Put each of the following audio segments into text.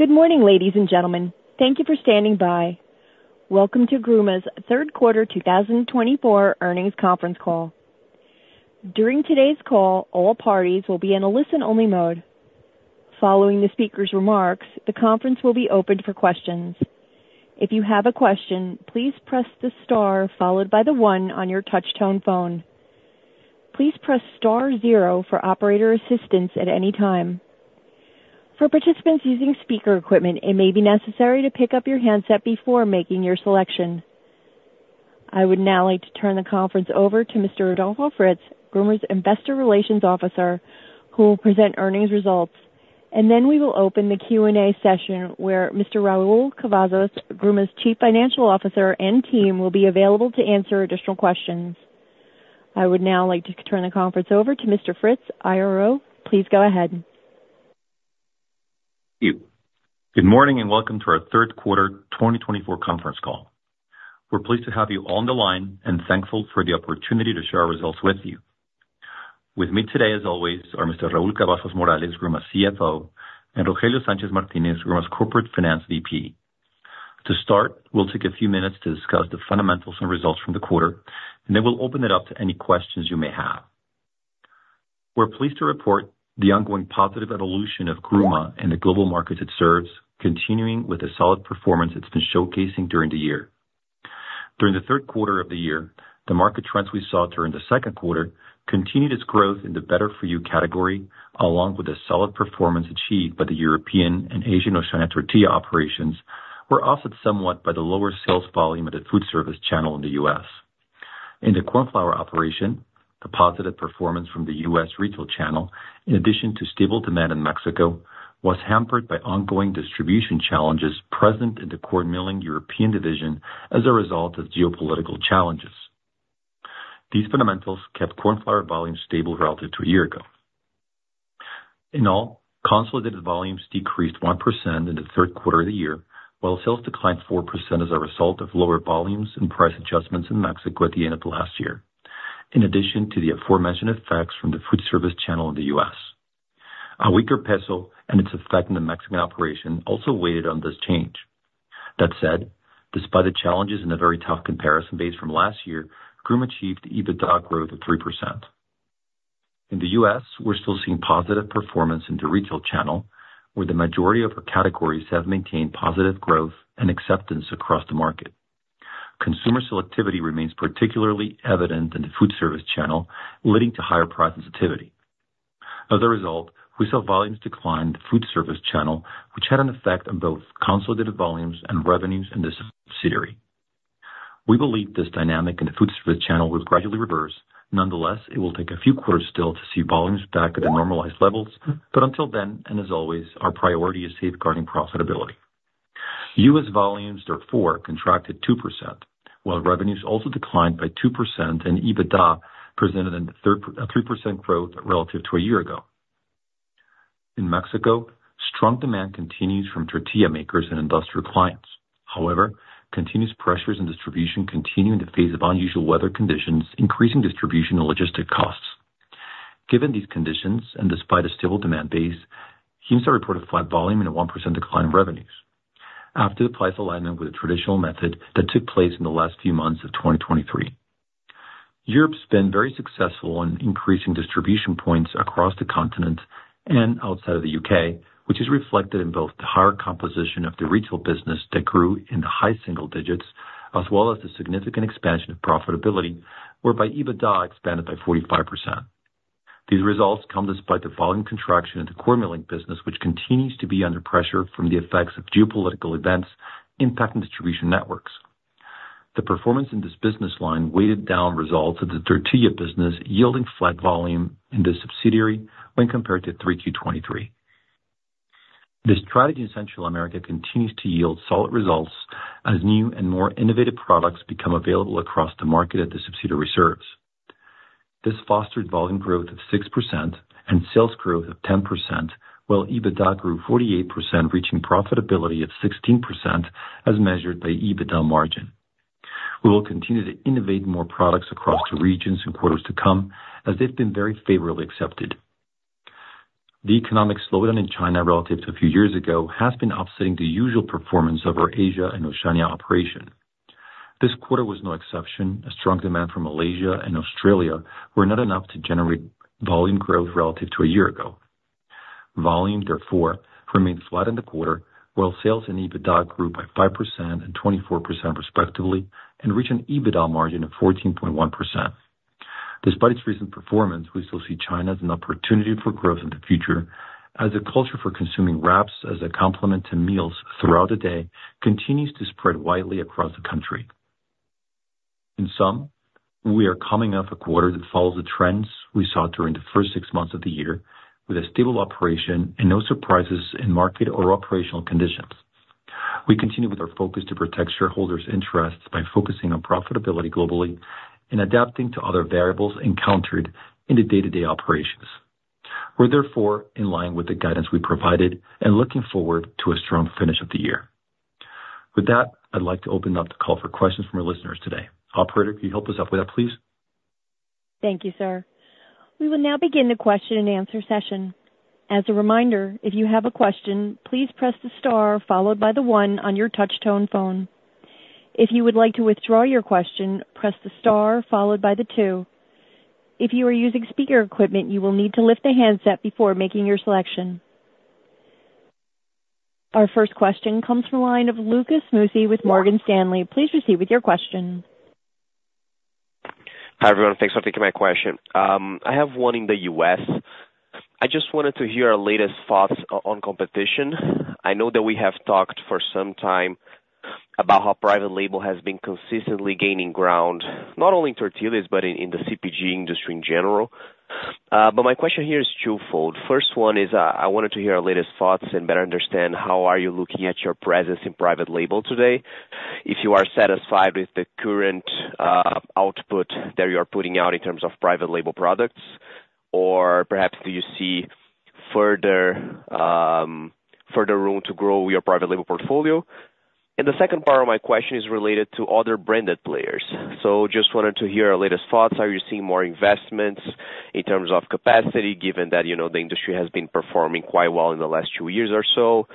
Good morning, ladies and gentlemen. Thank you for standing by. Welcome to Gruma's third quarter 2024 earnings conference call. During today's call, all parties will be in a listen-only mode. Following the speaker's remarks, the conference will be opened for questions. If you have a question, please press the star followed by the one on your touchtone phone. Please press star zero for operator assistance at any time. For participants using speaker equipment, it may be necessary to pick up your handset before making your selection. I would now like to turn the conference over to Mr. Adolfo Fritz, Gruma's Investor Relations Officer, who will present earnings results, and then we will open the Q&A session, where Mr. Raul Cavazos, Gruma's Chief Financial Officer, and team will be available to answer additional questions. I would now like to turn the conference over to Mr. Fritz, IRO. Please go ahead. ... Good morning, and welcome to our third quarter twenty twenty-four conference call. We're pleased to have you on the line and thankful for the opportunity to share our results with you. With me today, as always, are Mr. Raúl Cavazos Morales, Gruma's CFO, and Rogelio Sánchez Martínez, Gruma's Corporate Finance VP. To start, we'll take a few minutes to discuss the fundamentals and results from the quarter, and then we'll open it up to any questions you may have. We're pleased to report the ongoing positive evolution of Gruma and the global markets it serves, continuing with the solid performance it's been showcasing during the year. During the third quarter of the year, the market trends we saw during the second quarter continued its growth in the Better For You category, along with a solid performance achieved by the European and Asia and Oceania tortilla operations, were offset somewhat by the lower sales volume at the food service channel in the U.S. In the corn flour operation, the positive performance from the U.S. retail channel, in addition to stable demand in Mexico, was hampered by ongoing distribution challenges present in the corn milling European division as a result of geopolitical challenges. These fundamentals kept corn flour volumes stable relative to a year ago. In all, consolidated volumes decreased 1% in the third quarter of the year, while sales declined 4% as a result of lower volumes and price adjustments in Mexico at the end of last year, in addition to the aforementioned effects from the food service channel in the U.S. A weaker peso and its effect on the Mexican operation also weighed on this change. That said, despite the challenges and the very tough comparison base from last year, Gruma achieved EBITDA growth of 3%. In the U.S., we're still seeing positive performance in the retail channel, where the majority of our categories have maintained positive growth and acceptance across the market. Consumer selectivity remains particularly evident in the food service channel, leading to higher price sensitivity. As a result, we saw volumes decline in the food service channel, which had an effect on both consolidated volumes and revenues in this subsidiary. We believe this dynamic in the food service channel will gradually reverse. Nonetheless, it will take a few quarters still to see volumes back at the normalized levels, but until then, and as always, our priority is safeguarding profitability. U.S. volumes, therefore, contracted 2%, while revenues also declined by 2%, and EBITDA presented a 3% growth relative to a year ago. In Mexico, strong demand continues from tortilla makers and industrial clients. However, continuous pressures in distribution continue in the face of unusual weather conditions, increasing distribution and logistics costs. Given these conditions, and despite a stable demand base, teams have reported a flat volume and a 1% decline in revenues after the price alignment with the traditional method that took place in the last few months of 2023. Europe's been very successful in increasing distribution points across the continent and outside of the U.K., which is reflected in both the higher composition of the retail business that grew in the high single digits, as well as the significant expansion of profitability, whereby EBITDA expanded by 45%. These results come despite the volume contraction in the corn milling business, which continues to be under pressure from the effects of geopolitical events impacting distribution networks. The performance in this business line weighed down results of the tortilla business, yielding flat volume in the subsidiary when compared to 3Q 2023. The strategy in Central America continues to yield solid results as new and more innovative products become available across the market at the subsidiary reserves. This fostered volume growth of 6% and sales growth of 10%, while EBITDA grew 48%, reaching profitability of 16%, as measured by EBITDA margin. We will continue to innovate more products across the regions in quarters to come, as they've been very favorably accepted. The economic slowdown in China relative to a few years ago has been offsetting the usual performance of our Asia and Oceania operation. This quarter was no exception. A strong demand from Malaysia and Australia were not enough to generate volume growth relative to a year ago. Volume, therefore, remains flat in the quarter, while sales and EBITDA grew by 5% and 24% respectively, and reached an EBITDA margin of 14.1%. Despite its recent performance, we still see China as an opportunity for growth in the future, as a culture for consuming wraps as a complement to meals throughout the day continues to spread widely across the country. In sum, we are coming off a quarter that follows the trends we saw during the first six months of the year, with a stable operation and no surprises in market or operational conditions. We continue with our focus to protect shareholders' interests by focusing on profitability globally and adapting to other variables encountered in the day-to-day operations. We're therefore in line with the guidance we provided and looking forward to a strong finish of the year. With that, I'd like to open up the call for questions from our listeners today. Operator, can you help us out with that, please? Thank you, sir. We will now begin the question and answer session. As a reminder, if you have a question, please press the star followed by the one on your touchtone phone. If you would like to withdraw your question, press the star followed by the two. If you are using speaker equipment, you will need to lift the handset before making your selection. Our first question comes from the line of Lucas Mussi with Morgan Stanley. Please proceed with your question. Hi, everyone. Thanks for taking my question. I have one in the US. I just wanted to hear your latest thoughts on competition. I know that we have talked for some time about how private label has been consistently gaining ground, not only in tortillas, but in the CPG industry in general. But my question here is twofold. First one is, I wanted to hear your latest thoughts and better understand how are you looking at your presence in private label today, if you are satisfied with the current output that you are putting out in terms of private label products, or perhaps do you see further room to grow your private label portfolio? And the second part of my question is related to other branded players. So just wanted to hear your latest thoughts. Are you seeing more investments in terms of capacity, given that, you know, the industry has been performing quite well in the last two years or so?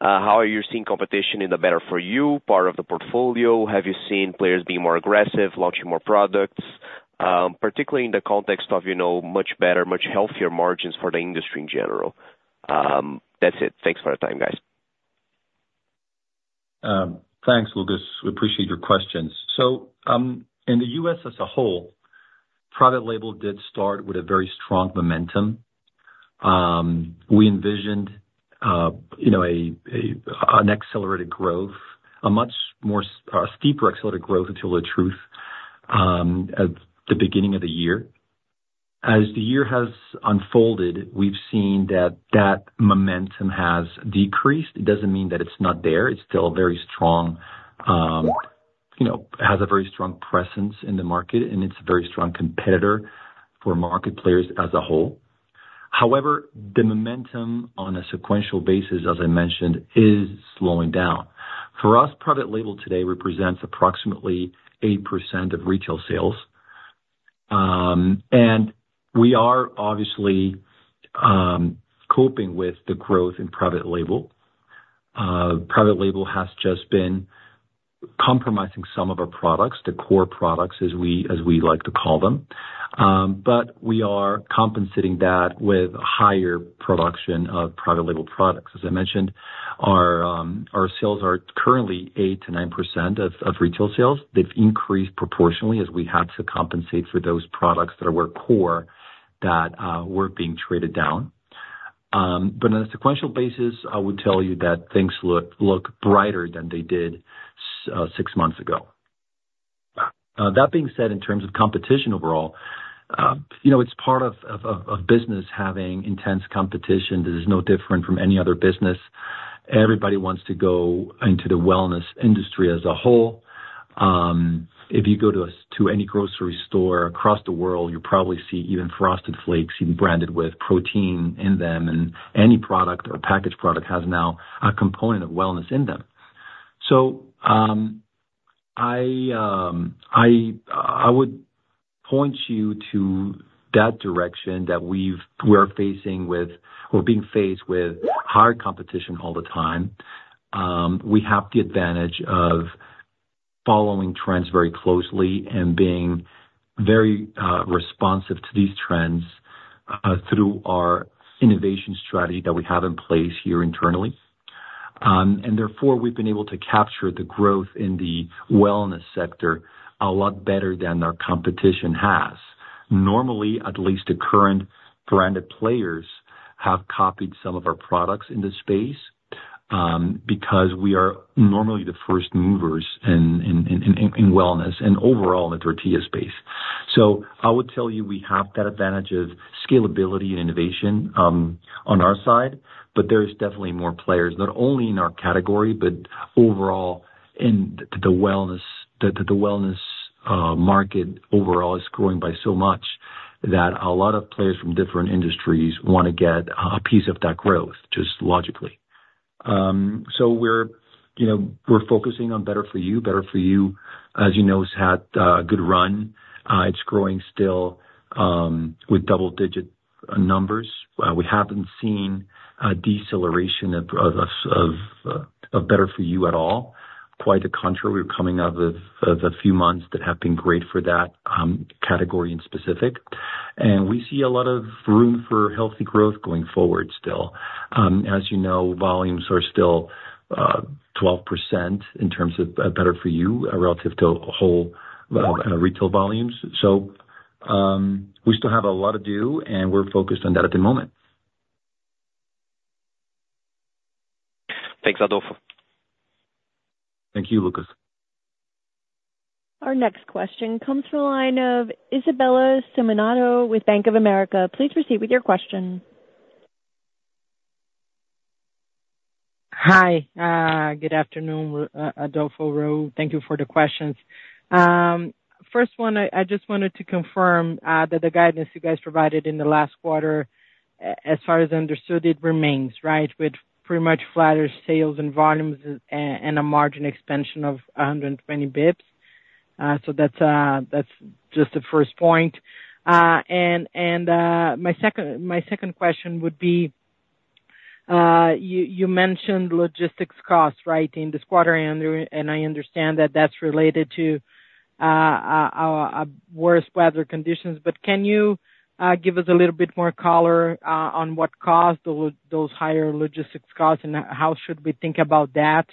How are you seeing competition in the Better For You part of the portfolio? Have you seen players being more aggressive, launching more products, particularly in the context of, you know, much better, much healthier margins for the industry in general? That's it. Thanks for your time, guys. Thanks, Lucas. We appreciate your questions. So, in the U.S. as a whole, private label did start with a very strong momentum. We envisioned, you know, an accelerated growth, a much more steeper accelerated growth, to tell the truth, at the beginning of the year. As the year has unfolded, we've seen that that momentum has decreased. It doesn't mean that it's not there. It's still a very strong, you know, has a very strong presence in the market, and it's a very strong competitor for market players as a whole. However, the momentum on a sequential basis, as I mentioned, is slowing down. For us, private label today represents approximately 80% of retail sales, and we are obviously coping with the growth in private label. Private label has just been compromising some of our products, the core products, as we like to call them. But we are compensating that with higher production of private label products. As I mentioned, our sales are currently 8%-9% of retail sales. They've increased proportionally as we had to compensate for those products that were core, that were being traded down. But on a sequential basis, I would tell you that things look brighter than they did six months ago. That being said, in terms of competition overall, you know, it's part of business having intense competition. This is no different from any other business. Everybody wants to go into the wellness industry as a whole. If you go to any grocery store across the world, you probably see even Frosted Flakes being branded with protein in them, and any product or packaged product has now a component of wellness in them, so I would point you to that direction that we're facing with or being faced with hard competition all the time. We have the advantage of following trends very closely and being very responsive to these trends through our innovation strategy that we have in place here internally, and therefore, we've been able to capture the growth in the wellness sector a lot better than our competition has. Normally, at least the current branded players have copied some of our products in this space, because we are normally the first movers in wellness and overall in the tortilla space. So I would tell you, we have that advantage of scalability and innovation on our side, but there is definitely more players, not only in our category, but overall in the wellness. The wellness market overall is growing by so much that a lot of players from different industries wanna get a piece of that growth, just logically. So we're, you know, we're focusing on Better For You. Better For You, as you know, has had a good run. It's growing still, with double digit numbers. We haven't seen a deceleration of Better For You at all. Quite the contrary, we're coming out of a few months that have been great for that category in specific, and we see a lot of room for healthy growth going forward still. As you know, volumes are still 12% in terms of Better For You relative to whole retail volumes. So, we still have a lot to do, and we're focused on that at the moment. Thanks, Adolfo. Thank you, Lucas. Our next question comes from the line of Isabella Simonato with Bank of America. Please proceed with your question. Hi, good afternoon, Adolfo, Ro. Thank you for the questions. First one, I just wanted to confirm that the guidance you guys provided in the last quarter. As far as I understood, it remains, right, with pretty much flatter sales and volumes and a margin expansion of a hundred and twenty basis points. So that's just the first point. And my second question would be, you mentioned logistics costs, right? In this quarter, and I understand that that's related to a worse weather conditions. But can you give us a little bit more color on what caused those higher logistics costs, and how should we think about that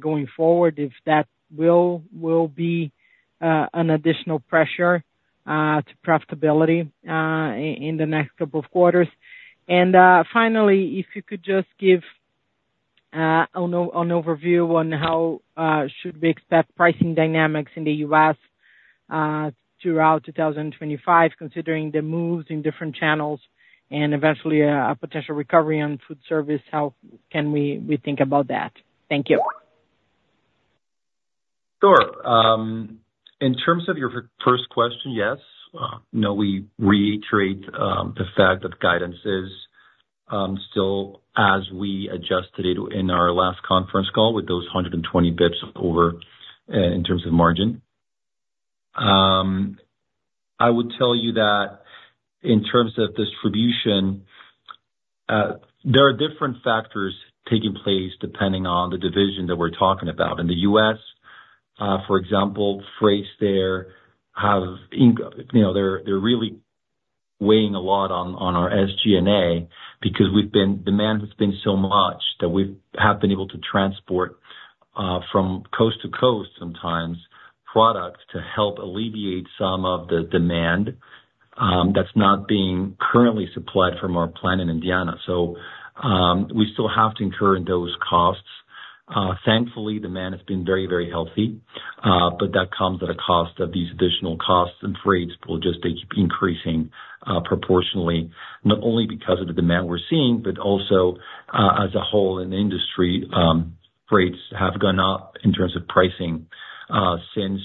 going forward, if that will be an additional pressure to profitability in the next couple of quarters? Finally, if you could just give an overview on how should we expect pricing dynamics in the U.S. throughout 2025, considering the moves in different channels and eventually a potential recovery on food service, how can we think about that? Thank you. Sure. In terms of your first question, yes, you know, we reiterate the fact that the guidance is still as we adjusted it in our last conference call with those 120 basis points over in terms of margin. I would tell you that in terms of distribution, there are different factors taking place depending on the division that we're talking about. In the U.S., for example, freight there have increased, you know, they're really weighing a lot on our SG&A because we've been... Demand has been so much that we have been able to transport from coast to coast, sometimes, product to help alleviate some of the demand that's not being currently supplied from our plant in Indiana. So, we still have to incur those costs. Thankfully, demand has been very, very healthy, but that comes at a cost of these additional costs, and freights will just keep increasing, proportionally, not only because of the demand we're seeing, but also, as a whole in the industry, freights have gone up in terms of pricing, since,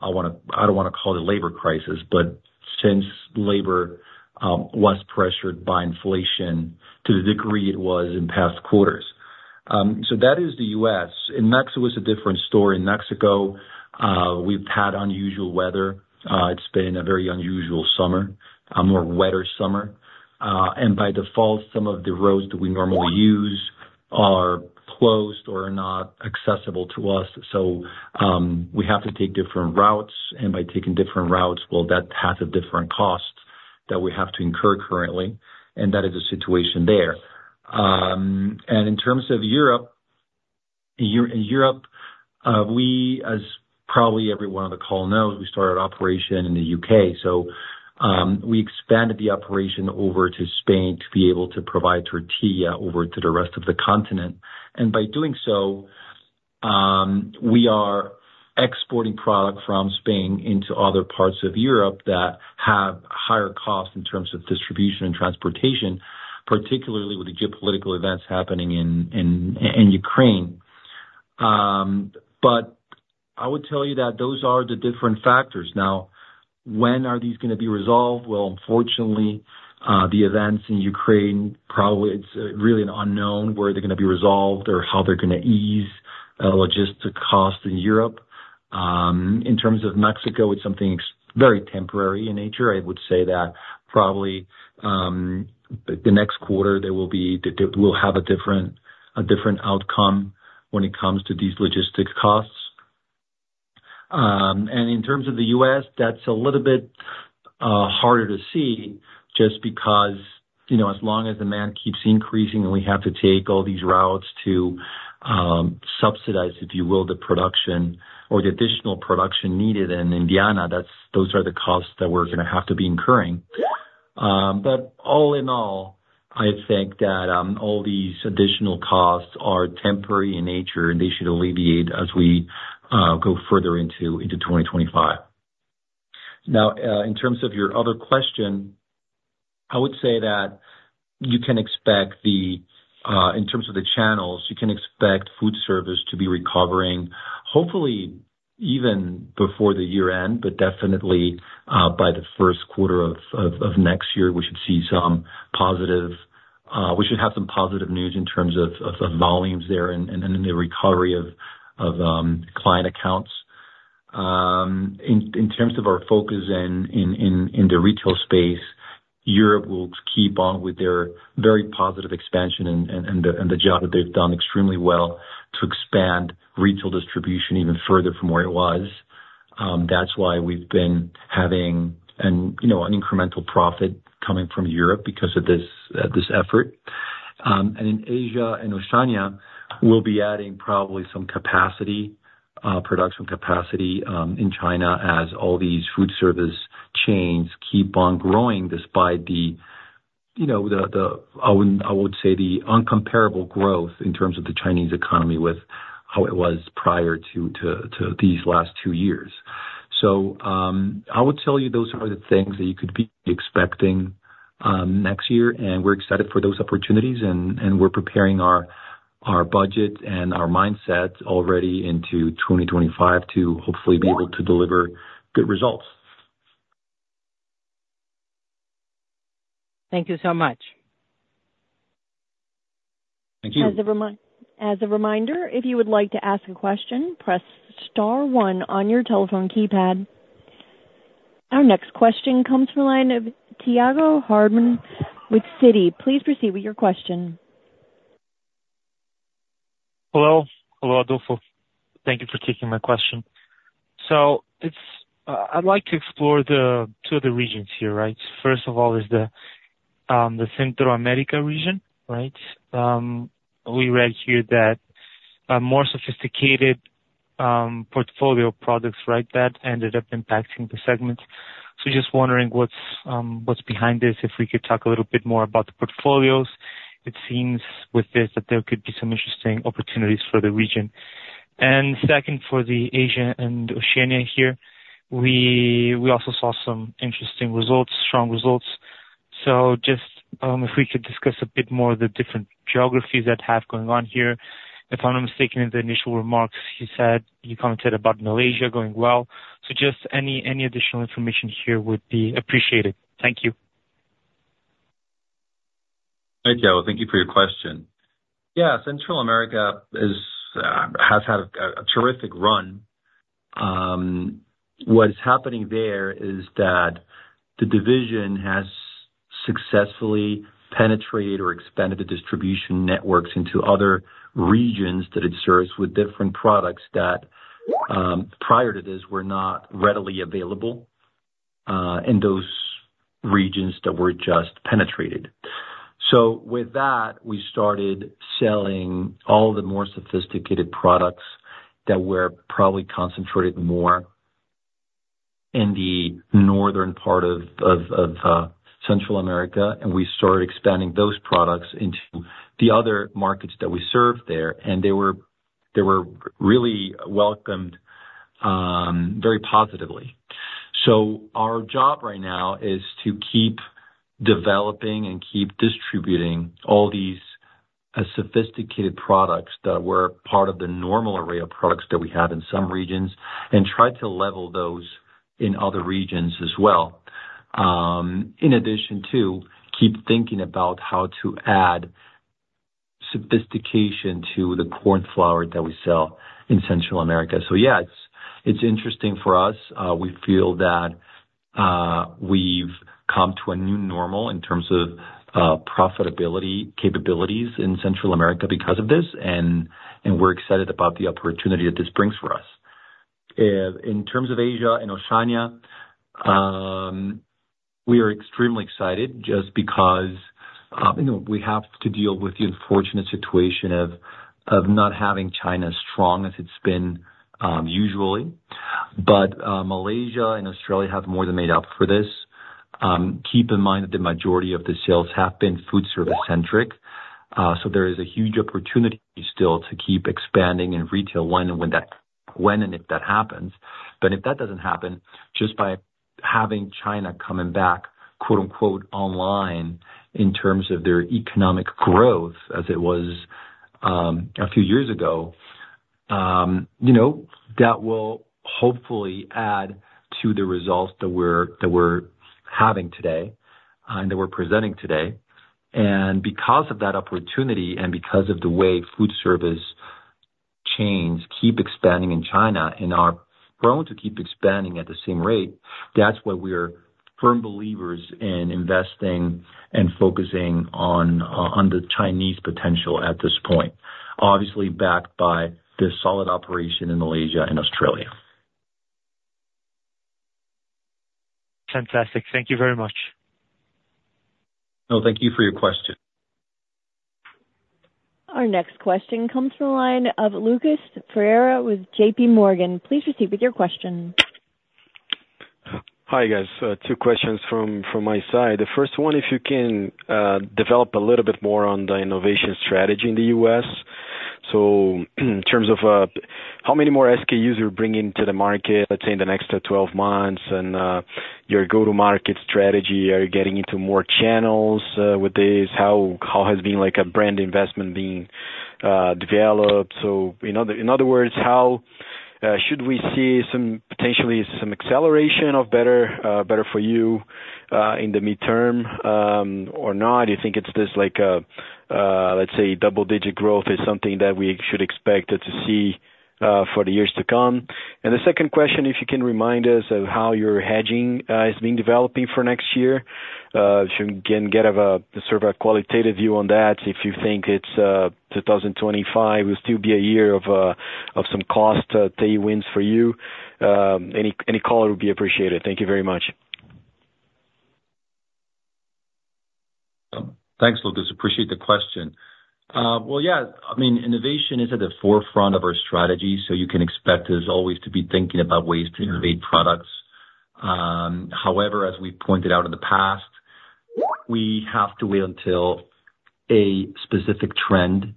I don't wanna call it labor crisis, but since labor was pressured by inflation to the degree it was in past quarters. So that is the U.S. In Mexico, it's a different story. In Mexico, we've had unusual weather. It's been a very unusual summer, a more wetter summer. And by default, some of the roads that we normally use are closed or are not accessible to us, so we have to take different routes, and by taking different routes, well, that has a different cost that we have to incur currently, and that is the situation there. And in terms of Europe, we, as probably everyone on the call knows, we started operation in the U.K. So, we expanded the operation over to Spain to be able to provide tortilla over to the rest of the continent. And by doing so, we are exporting product from Spain into other parts of Europe that have higher costs in terms of distribution and transportation, particularly with the geopolitical events happening in Ukraine. But I would tell you that those are the different factors. Now, when are these gonna be resolved? Well, unfortunately, the events in Ukraine, probably it's really an unknown where they're gonna be resolved or how they're gonna ease logistics costs in Europe. In terms of Mexico, it's something very temporary in nature. I would say that probably the next quarter, there will be, we'll have a different outcome when it comes to these logistics costs. And in terms of the U.S., that's a little bit harder to see just because, you know, as long as demand keeps increasing and we have to take all these routes to subsidize, if you will, the production or the additional production needed in Indiana, those are the costs that we're gonna have to be incurring. But all in all, I think that all these additional costs are temporary in nature, and they should alleviate as we go further into twenty twenty-five. Now, in terms of your other question, I would say that you can expect in terms of the channels, you can expect food service to be recovering, hopefully even before the year end, but definitely by the first quarter of next year, we should see some positive we should have some positive news in terms of volumes there and then the recovery of client accounts. In terms of our focus in the retail space, Europe will keep on with their very positive expansion and the job that they've done extremely well to expand retail distribution even further from where it was. That's why we've been having an, you know, an incremental profit coming from Europe because of this effort. And in Asia and Oceania, we'll be adding probably some capacity, production capacity, in China as all these food service chains keep on growing despite the, you know, the, I wouldn't, I would say, the incomparable growth in terms of the Chinese economy with how it was prior to these last two years. I would tell you, those are the things that you could be expecting next year, and we're excited for those opportunities and we're preparing our budget and our mindset already into twenty twenty-five to hopefully be able to deliver good results. Thank you so much. Thank you. As a reminder, if you would like to ask a question, press star one on your telephone keypad. Our next question comes from the line ofIsabella Simonato with Bank of AmericaPlease proceed with your question. Hello. Hello, Adolfo. Thank you for taking my question. So it's, I'd like to explore the two of the regions here, right? First of all, is the Central America region, right? We read here that a more sophisticated portfolio of products, right, that ended up impacting the segment. So just wondering what's what's behind this, if we could talk a little bit more about the portfolios. It seems with this that there could be some interesting opportunities for the region. And second, for the Asia and Oceania here, we also saw some interesting results, strong results. So just if we could discuss a bit more the different geographies that have going on here. If I'm not mistaken, in the initial remarks, you said you commented about Malaysia going well. So just any additional information here would be appreciated. Thank you. Hi, Thiago. Thank you for your question. Yeah, Central America is has had a terrific run. What is happening there is that the division has successfully penetrated or expanded the distribution networks into other regions that it serves with different products that, prior to this, were not readily available in those regions that were just penetrated. So with that, we started selling all the more sophisticated products that were probably concentrated more in the northern part of Central America, and we started expanding those products into the other markets that we served there, and they were really welcomed very positively. So our job right now is to keep developing and keep distributing all these, sophisticated products that were part of the normal array of products that we have in some regions and try to level those in other regions as well. In addition to keep thinking about how to add sophistication to the corn flour that we sell in Central America. So yeah, it's interesting for us. We feel that we've come to a new normal in terms of profitability capabilities in Central America because of this, and we're excited about the opportunity that this brings for us. In terms of Asia and Oceania, we are extremely excited just because, you know, we have to deal with the unfortunate situation of not having China as strong as it's been, usually. But Malaysia and Australia have more than made up for this. Keep in mind that the majority of the sales have been food service centric, so there is a huge opportunity still to keep expanding in retail when and if that happens. But if that doesn't happen, just by having China coming back, quote unquote, "online," in terms of their economic growth as it was a few years ago, you know, that will hopefully add to the results that we're having today, and that we're presenting today. Because of that opportunity and because of the way food service chains keep expanding in China and are going to keep expanding at the same rate, that's why we're firm believers in investing and focusing on the Chinese potential at this point, obviously backed by the solid operation in Malaysia and Australia. Fantastic. Thank you very much. No, thank you for your question. Our next question comes from the line of Lucas Ferreira with JP Morgan. Please proceed with your question. Hi, guys. Two questions from my side. The first one, if you can develop a little bit more on the innovation strategy in the U.S. So in terms of how many more SKUs you're bringing to the market, let's say in the next twelve months, and your go-to-market strategy, are you getting into more channels with this? How has been like a brand investment being developed? So in other words, how should we see some potentially some acceleration of better for you in the midterm, or not? Do you think it's this, like a, let's say double-digit growth is something that we should expect to see for the years to come? And the second question, if you can remind us of how your hedging is being developing for next year. If you can give us a sort of a qualitative view on that, if you think it's two thousand twenty-five will still be a year of some cost wins for you. Any call will be appreciated. Thank you very much. Thanks, Lucas. Appreciate the question. Well, yeah, I mean, innovation is at the forefront of our strategy, so you can expect us always to be thinking about ways to innovate products. However, as we pointed out in the past, we have to wait until a specific trend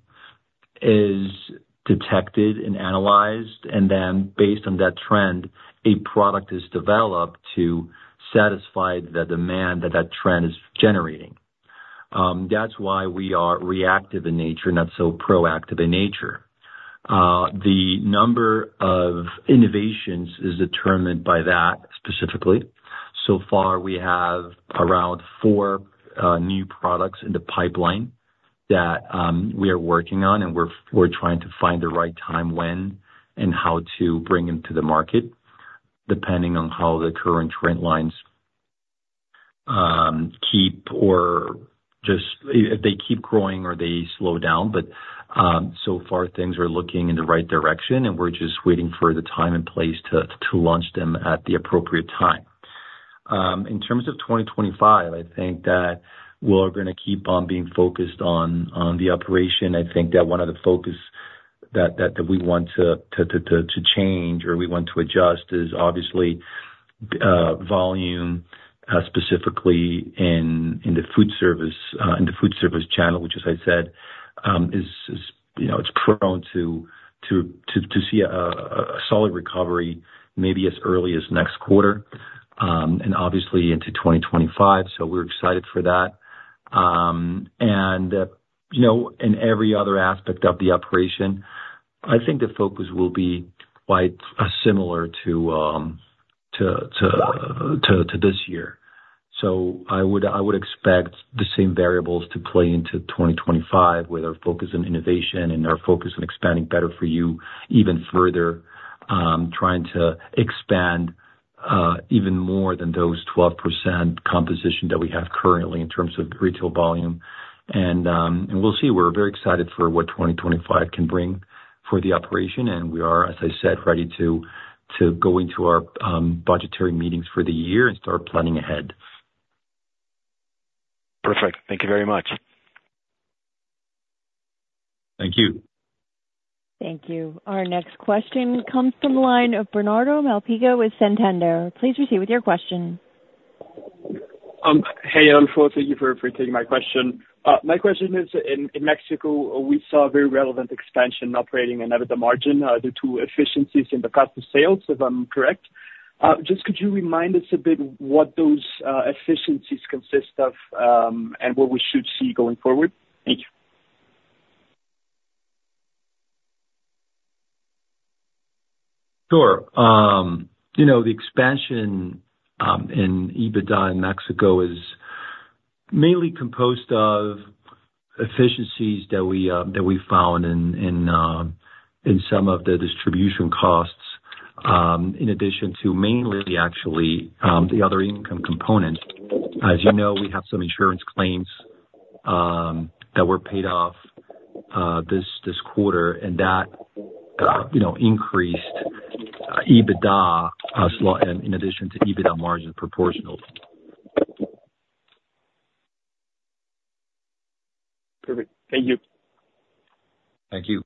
is detected and analyzed, and then based on that trend, a product is developed to satisfy the demand that that trend is generating. That's why we are reactive in nature, not so proactive in nature. The number of innovations is determined by that specifically. So far, we have around four new products in the pipeline that we are working on, and we're trying to find the right time, when and how to bring them to the market, depending on how the current trend lines keep if they keep growing or they slow down. But so far, things are looking in the right direction, and we're just waiting for the time and place to launch them at the appropriate time. In terms of 2025, I think that we're gonna keep on being focused on the operation. I think that one of the focus that we want to change or we want to adjust is obviously volume, specifically in the food service channel, which, as I said, you know, it's prone to see a solid recovery maybe as early as next quarter, and obviously into 2025. So we're excited for that. You know, in every other aspect of the operation, I think the focus will be quite similar to this year. So I would expect the same variables to play into 2025, with our focus on innovation and our focus on expanding Better For You even further, trying to expand even more than those 12% composition that we have currently in terms of retail volume. We'll see. We're very excited for what 2025 can bring for the operation, and we are, as I said, ready to go into our budgetary meetings for the year and start planning ahead. Perfect. Thank you `very much. Thank you. Thank you. Our next question comes from the line of Bernardo Malpica with Santander. Please proceed with your question. Hey, Adolfo, thank you for taking my question. My question is, in Mexico, we saw a very relevant expansion in operating and EBITDA margin due to efficiencies in the cost of sales, if I'm correct. Just could you remind us a bit what those efficiencies consist of, and what we should see going forward? Thank you. Sure. You know, the expansion in EBITDA in Mexico is mainly composed of efficiencies that we found in some of the distribution costs, in addition to mainly actually the other income component. As you know, we have some insurance claims that were paid off this quarter, and that you know increased EBITDA in addition to EBITDA margin proportionally. Perfect. Thank you. Thank you.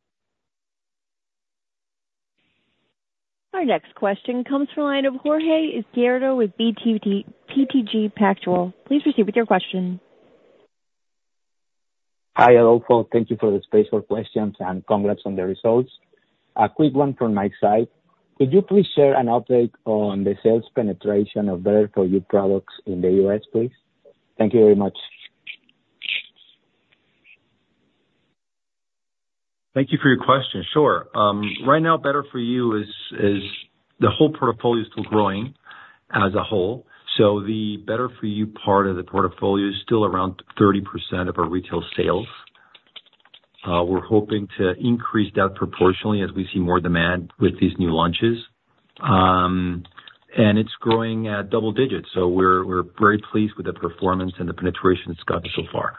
Our next question comes from the line of Jorge Izquierdo with BTG Pactual. Please proceed with your question. Hi, Adolfo. Thank you for the space for questions, and congrats on the results. A quick one from my side: Could you please share an update on the sales penetration of Better For You products in the U.S., please? Thank you very much. Thank you for your question. Sure. Right now, Better For You is the whole portfolio is still growing as a whole, so the Better For You part of the portfolio is still around 30% of our retail sales. We're hoping to increase that proportionally as we see more demand with these new launches, and it's growing at double digits, so we're very pleased with the performance and the penetration it's got so far.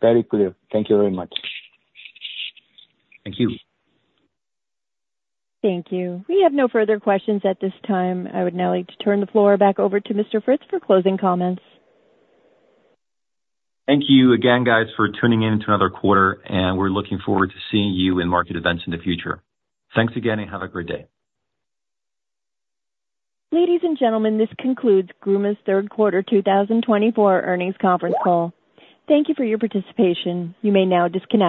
Very clear. Thank you very much. Thank you. Thank you. We have no further questions at this time. I would now like to turn the floor back over to Mr. Fritz for closing comments. Thank you again, guys, for tuning in to another quarter, and we're looking forward to seeing you in market events in the future. Thanks again, and have a great day. Ladies and gentlemen, this concludes Gruma's Third Quarter 2024 Earnings Conference Call. Thank you for your participation. You may now disconnect.